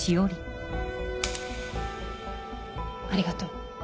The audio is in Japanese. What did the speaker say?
ありがとう。